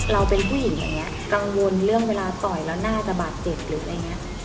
เราเป็นผู้หญิงอย่างนี้กังวลเรื่องเวลาต่อยแล้วน่าจะบาดเจ็บหรืออะไรอย่างนี้